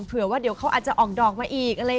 เผื่อว่าเดี๋ยวเขาอาจจะออกดอกมาอีก